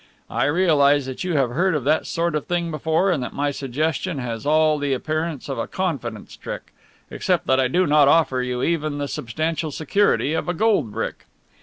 I realize that you have heard that sort of thing before, and that my suggestion has all the appearance of a confidence trick, except that I do not offer you even the substantial security of a gold brick.